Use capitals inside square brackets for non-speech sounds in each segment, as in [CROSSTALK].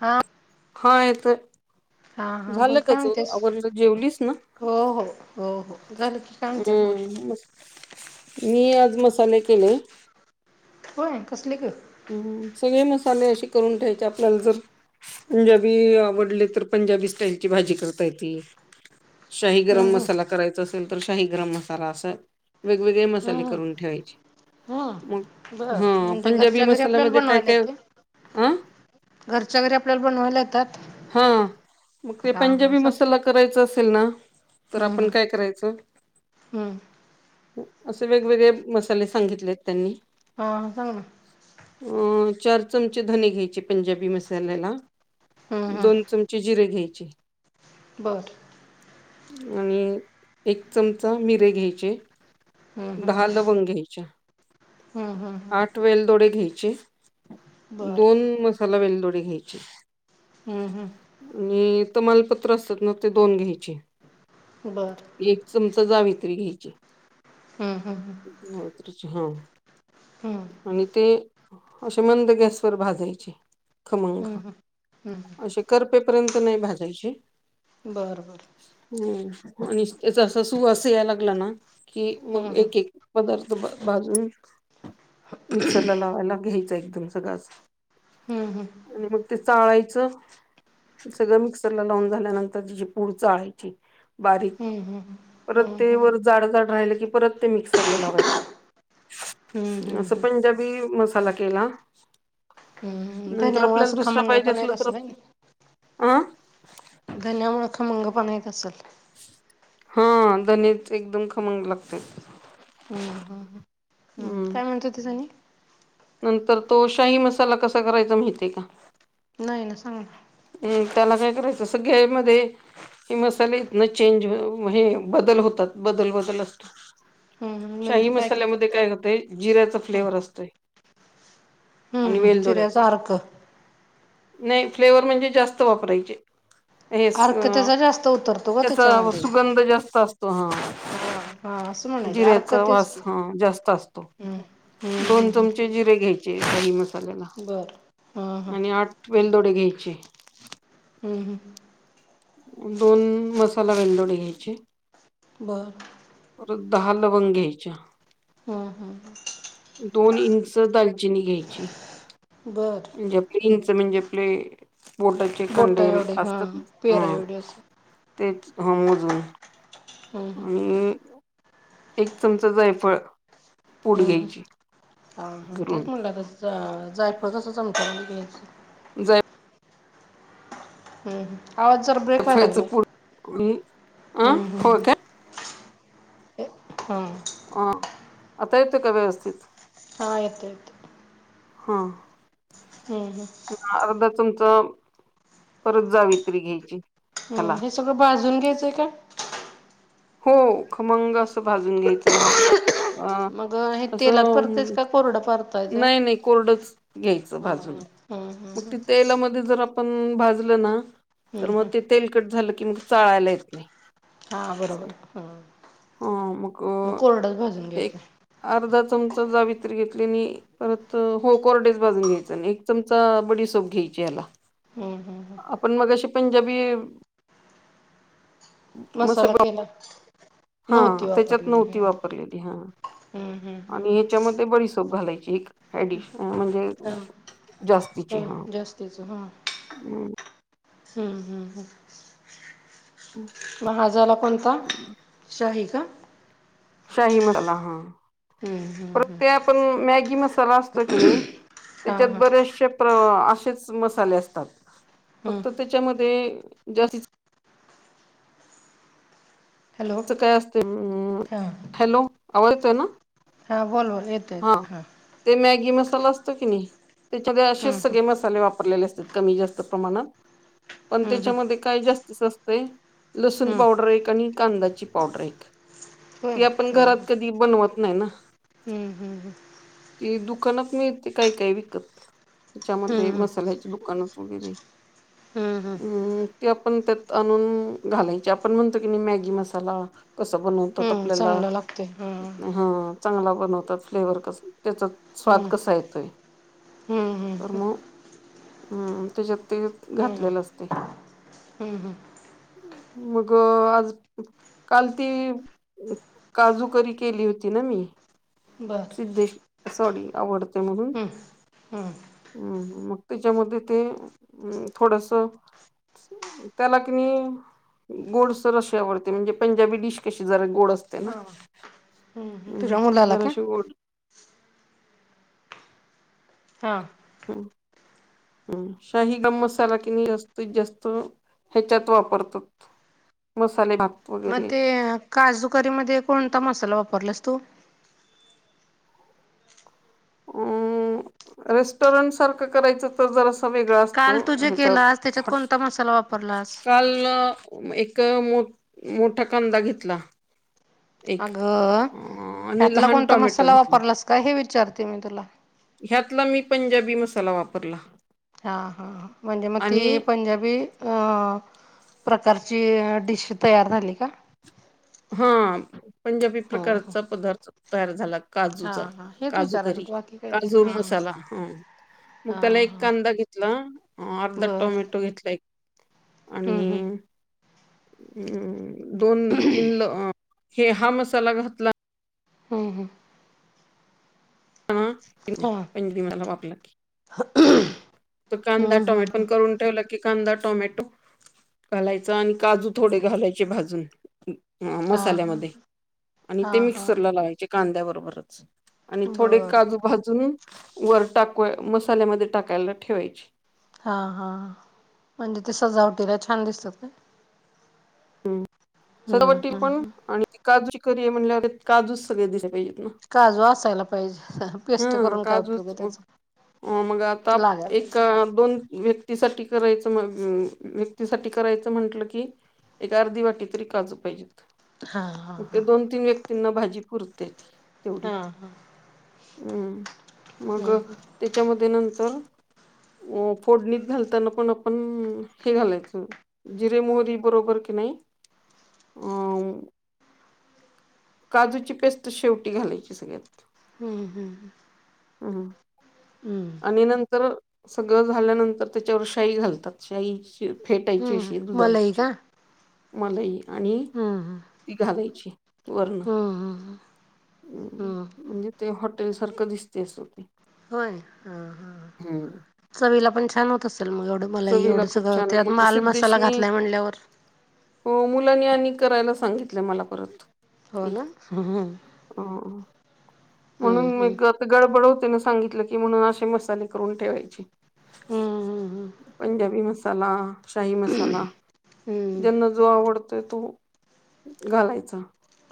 हा होय तर, हा हा झालं बोल काय त्याच म्हणतेस आवरलं जेवलीसं ना? हो हो हो हो झालं की सांगते बोल, हम्म मी आज मसाले केले. होय कसली गं! हम्म सगळे मसाले असे करून ठेवायचे, आपल्याला जर पंजाबी आवडले तर पं पंजाबी स्टाईलची भाजी करता येती, शाही गरम हम्म मसाला कराय चं असेल तर, शाही गरम मसाला असं वेगवेगळे मसाले हम्म करून ठेवायचे. मग हम्म बर हा म्हणजे पंजाबी घरच्या घरी आपल्याला मसाल्यामध्ये काय बनवायला काय? येते आ. घरच्या घरी, आपल्याला बनवायला येतात. हा, मग ते हा हा पंजाबी सांग मसाला, करायचा असेल ना? तर हम्म आपण काय हम्म करायचं? हम्म. असे वेगवेगळे मसाले सांगितलेत त्यांनी. आ हां. म चार चमचे धने घ्यायचे पंजाबी मसाल्याला हम्म दोन चमचे जिरे घ्यायचे. बरं. आणि एक चमचा मिरे घ्यायचे. हम्म हम्म दहा लवंग घ्यायच्या, हम्म हम्म हम्म आठ वेलदोडे घ्यायचे. बर दोन मसाला वेलदोडे घ्यायचे हम्म हम्म आणि तमालपत्र असत ना, ते दोन घ्यायचे बर जावित्री घ्यायची हम्म हम्म हम्म आणि ते, असे मंद गॅसवर भाजायचे. खमंग हम्म हम्म हम्म असे करपेपर्यंत नाही भाजायचे बर बरं. हम्म आणि त्याचा अस सूवास यायला लागला ना, कि मग हम्म एक- एक पदार्थ बाजून, मिक्सरला लावायला घ्यायचा एकदम, सगळाच. हम्म, हम्म. चाळायचं. सगळं मिक्सर ला लावून झाल्यानंतर, तिची पूड चाळायची. बारीक हम्म हम्म परत हम्म हम्म ते हम्म वर जाड जाड राहिलं की परत ते मिक्सरला हम्म लावायचं [UNINTELLIGIBLE] असं हम्म पंजाबी मसाला केला. हम्म नंतर धन्यामुळे आपल्याला असं दुसरं पाहिजे खमंगपणा येत असलं तर असेल आप धन्या मुळ खंमंग पणा येत असेल हा धनीच एकदम खमंग लागते. हम्म हम्म [UNINTELLIGIBLE] हम्म काय म्हणतो [UNINTELLIGIBLE] नंतर तो, शाही मसाला कसा करायचा माहितीय का? नाही ना, सांग ना. अ त्याला काय करायचं, सगळ्या मध्ये हे मसालेइत न चेंज हे ब बदल होतात. बदल- बदल असतो. हम्म शाही म्हणजे काय मसाल्यामध्ये करते काय होतय, जिऱ्याचा फ्लेवर असतोय. हम्म आणि हम्म वेल दोड्याचा, जिऱ्याचा अर्क नाही. फ्लेवर म्हणजे जास्त वापरायचे. हे स अर्क अ त्याचा जास्त उतरतो ग त्याचा त्याच्यामध्ये सुगंध जास्त असतो, हा. हा हा असं [UNINTELLIGIBLE] म्हणाले अर्क जिऱ्याचा तेच वास की हां, जास्त असतो. हम्म हम्म दोन हम्म चमचे हम्म जिरे घ्यायचे दही मसाल्याला बर हा हा आणि आठ वेलदोडे घ्यायचे हम्म ह. दोन मसाला वेंलदोडे घ्यायचे बर. दहा लवंग घ्यायच्या हम्म, हम्. [UNINTELLIGIBLE] दोन इंच दालचीणी घ्यायची. बर म्हणजे [UNINTELLIGIBLE] नच म्हणजे आपले बोटाचे बोटा कंडेल एवढे हा असतात ह पेरा एवढे असं तेच ह मोजून हम्म हम्म आणि एक चमचा जायफळ. पूड हम् हम् घ्यायची हा हा घरून तेच म्हनलं आता जा जायचं. कसं चमच्याने घ्यायचं. जाय हम्. आवाज जरा ब्रेक व्हाय जायफळाचं लागलाय. पूड आणि अ हो काय हां. अ आता येतो का व्यवस्थित? ह येतोय येतोय हा अर्धा चमचा परत जावीत्री घ्यायची, हम्म ह्याला हे सगळं भाजून घ्यायचंय का? हो खमंग असं भाजून घ्यायचं हा असं. आ मग हे तेलात असं परतायच का कोरडं परतायचंय? नाही नाही कोरडच घ्यायचं हा हा भाजून हम्म म हम्म ते तेलामध्ये जर आप पण भाजलं ना तर हम्म मग हम्म ते तेल कट झालं, की मग चाळायला येत नाही. हा बरोबर हा. हा मग कोरडंच भाजून एक घ्यायचं अर्धा चम चमचा जावित्री घेतली नी परत, हो कोरडेच भाजून घ्यायचा आणि एक चमचा बडी सोप घ्यायची याला हम्म हम्म हम्. पंजाबी मसाला केलात? नव्हती हा त्याच्यात वापरलेली नव्हती हम्म वापरलेली हा हम्मम. हाय डिश म्हणजे हा जास्तीची हा. जास्तीच हा हम्म. हम्म हम्म हम्म. म हा झाला कोणता शाही का? शाहि मसाला हा. हम् हम. परत ते आपण मॅगी मसाला असतो, की नाही हा त्याच्यात हा. बरेचसे प्रवा अस तेचं मसाले असतात हम्म. फक्त तेच्यामध्ये जास्तीच हॅलो. त काय असतय म, हा हॅलो आवाज येतोय ना? हां बोल बोल येतयं हां ही मसाला असतो की नाही त्याच्यामधे हम्म असेच हम्म सगळे मसाले वापरलेले अस कमी जास्त प्रमाणात पण हम्म हम्म. त्याच्यामध्ये काय जास्तीच असतयं लसूण हम्म पावडर एक आणि कांदाची पावडर एक व्हय आपण हा घरात कधी ती बनवत नाही ना ह ते दुकानात मिळती काय काय विकत त्याच्यामध्ये हम्म मसाल्याची दुकानच उरली हम्म हम हं ते आपण त्यात आणून घालायची आपण म्हणतो की नाही मॅगी मसाला कस बनवू त्यात हम्म आपल्याला चांगला लागतोय. हम्म हा चांगला बनवतात फ्लेवर कस त्याचा स्वाद कसा येतोय. हम्म हम्म तर हम्म मग हम् त्याच्यात ते घातलेलं असतय. ह मग आज काल ती काजूकरी केली होती ना मी बर. सिद्धेश सॉरी आवडते म्हणून हम्म हम्म. हम् मग त्याच्यामध्ये ते थोडसं त्याला कि नाही गोड अस रशयावरती म्हणजे पंजाबी डिश कशी जरा गोड असते ना हा तुझ्या हम्म मुलाला काय? जराशी गोड हा हम्म ह शाही दम मसाला कि नाही जास्तीत जास्त ह्याच्यात वापरतात. मसाले भात मग वगैरे ते काजूकरी मध्ये कोणता मसाला वापरलास तू अ रेस्टॉरंट सारखं करायचं तर जरासं वेगळा असतो काल तू जे ह्याचा केलास त्याच्यात कोणता मसाला वापरलास? [UNINTELLIGIBLE] काल एक मोठ मोठा कांदा घेतला. एक अगं अ आणि ह्यातला लहान कोणता टॉमॅटो मसाला घेतलं वापरलास का हे विचारते मी तुला ह्यातला मी पंजाबी मसाला वापरला. हा हा म्हणजे मग आणि ती पंजाबी अ प्रकारची डिश तयार झाली का? हा पंजाबी हम्म हम्म. प्रकारचा पदार्थ तयार झाला हा काजूचा हा हेच काजू विचारायचं करी होतं बाकी काही नाही. काजू हा मसाला मग हा त्याला एक हा कांदा घेतला. ह अर्धा बर. टोमॅटो घेतला एक आणि हम्म हम्म अं दोन तीन ल हे हा मसाला घातला. हम्म हम्म हा [UNINTELLIGIBLE] तो कांदा हम्म हम्म टोमॅटो पण हम्म करून ठेवला की कांदा टोमॅटो घालायचा आणि काजू थोडे घालायचे भाजून. ह हा हा मसाल्यामध्ये आणि हा ते हा मिक्सरला लावायचे कांद्या बरोबरच थोडे बर बर काजू भाजून वर टाकू मसाल्यामध्ये टाकायला ठेवायचे. हा हा म्हणजे ते सजावटीला छान दिसतात का? हम् हम्म सजावटीला हम्म पण हम्म. आणि ती काजूची करी आहे म्हणल्यावर काजूच सगळे दिसायला पाहिजे. काजू असायला पाहिजे. पेस्ट हम करून काय उपयोग काजूत आहे त्याचा मग आता लागायला एक पाहिजे. दोन व्यक्तीसाठी करायच व्यक्तीसाठी करायचं म्हंटलं की एक अर्धी वाटी तरी काजू पाहिजे हा हा ते हा. दोन तीन व्यक्तींना भाजी पुरतेती हा हा हम्म मग हम्म त्याच्यामध्ये नंतर अ फोडणीत घालताना पण आपण हे घालायचं जिरे मोहरी बरोबर की नाही अ काजूची पेस्ट शेवटी घालायची सगळ्यात हम्म हम्म हम् हम्म. आणि नंतर सगळं झाल्यानंतर त्याच्यावर शाई घालतात शाई फेटायची हम्म अशी मलाई दुधावरची का मलाई आणि हम्म हम्म ती घालायची वर्ण हम्म हम्म हम्म. म्हणजे ते हॉटेल सारखं दिसते अस हो ते होय ह ह हम्म. सवीला पण छान होत मग एवढं मलाही चवीला एवढं खूप छान स मग माल मसाला सिद्धेशनी घातलाय म्हणल्यावर हो मुलांनी आणि करायला सांगितलं मला परत हो ना अ ह म्हणून म आता गडबड होतेने सांगितलं की म्हणून असे मसाले करून ठेवायचे हम्म पंजाबी मसाा शाही मसाला हम्म ज्यांना जो आवडतो तो घालायचा.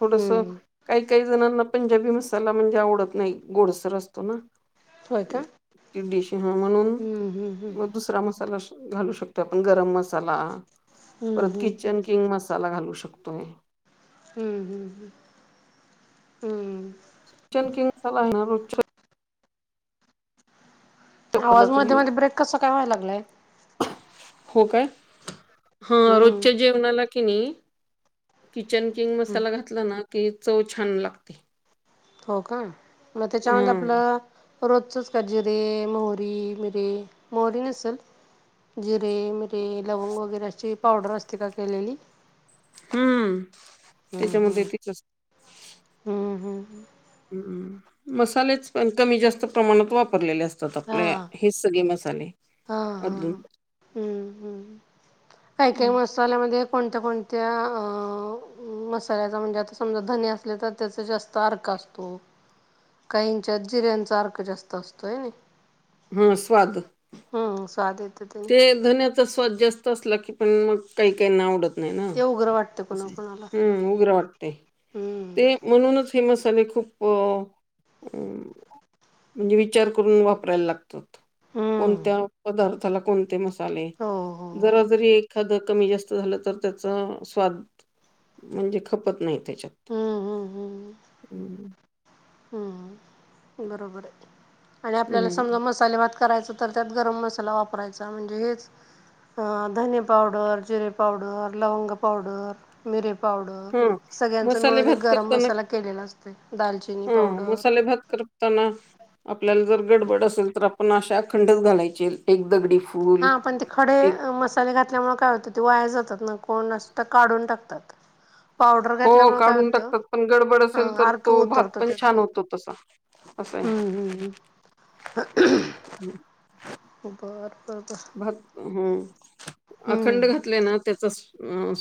थोडस हम्म. काही काही जणांना पंजाबी मसाला म्हणजे आवडत नाही गोडसर असतो ना. होय का? ती डिश म्हणून हम्म हम्म हम्म म दुसरा मसाला घालू शकतो आपण गरम मसाला हम्म परत हम्म किचन किंग मसाला घालू शकतोय. [UNINTELLIGIBLE] किचन किंग मसाला आहेना रोज वापरला आवाज तरी मध्ये मध्ये ब्रेक कसा काय व्हायला लागलाय? हो काय हा रोजच्या हम्म जेवणाला की नी किचन किंग मसाला घातला ना की चव छान लागते. हो का मग त्याच्यामध्ये हं, आपलं रोजचच जिरे, मोहरी, मिरे, मोहरी नसल जिरे, मिरे, लवंग, वगैरे अशी पावडर असते का केलेली? हम हम्म त्याच्यामध्ये हम्म किती आस हम्म हम्म हम मसालेच पण कमी जास्त प्रमाणात वापरलेले अस हा आपल्या हा हेच सगळे मसाले हा हा आदळून काय काय मसाल्यामध्ये कोणत्या कोणत्या अ मसाल्याचा म्हणजे आता समजा धने असले तर त्याचा जास्त अर्क असतो. काहींच्यात जिऱ्यांचा अर्क जास्त असतोय. हम स्वाद. स्वाद येतो त्याने ते धनचा स्वाद जास्त असला की पण मग काही काही ना आवडत हे ना ते उग्र वाटतं कोणाकोणाला उग्र वाटते हम्म ते म्हणूनच फेम तरी खूप म्हणजे विचार करून वापरायला लागत. हम्म कोणत्या पदार्थाला कोणते मसाले हो हो हो जरा जरी एखाद कमी जास्त झालं तर त्याचा स्वाद म्हणजे खपत नाय त्याच्यात हम्म हम्म हम्म! हम्म बरोबर आहे आणि आपल्याला हं. समजा मसाले भात करायच तर त्यात गरम मसाला वापरायचा म्हणजे हेच अ धने पावडर, जिरे पावडर, लवंग पावडर, मिरे पावडर हां. सगळ्यांचा मसाले मिळून एक भात गरम करताना मसाला केलेला असते दालचिनी पावडर, त्यांना आपल्याला जर गडबड असेल तर आपण अशीअखंडच घालायची एक दगडी हा फूल, पण ते खडे एक मसाले घातल्यामुळे काय होत ते वाया जातात न.... कोणात काढून टाकतात.... पावडर हो घातल्यामुळे काय काढून होतं टाकतात पण गडबड अ, असेल तर अर्क तो भात उतरतो पण त्याचा छान होतो तसा.... अस हाय..... हम्म हम्म हम्म. बर बरोबर..... हं. अखंड घातले ना त्याचा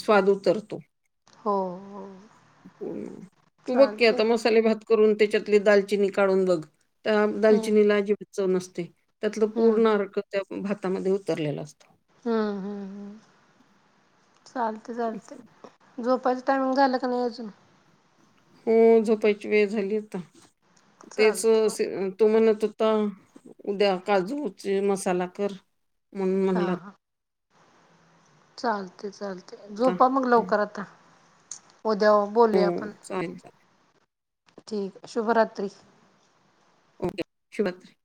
स्वाद उतरतो..... हो हो.... तू बघ की चालते आता मसाले भात करून त्याच्यातली दालचिनी काढून बघ? त्या हम्म दालचिनीला जे चव नसते त्यातलं हम्म हम्म पूर्ण अर्क त्या भातामध्ये उतरलेला असत...... ह ह ह चालते चालते झोपच..... टाईम झालं की नाही अजून? हो झोपायची वेळ झाली आता तेच चालते अस मग ते म्हणत.... ता उद्या काजूची मसाला कर म्हणून हां म्हणल.... हां चालते चालते आता झोपा मग लवकर आता.... उद्या हो, बोलया आपण..... चालेल, चालेल. ठीक शुभ रात्री.... ओके शुभ रात्री.....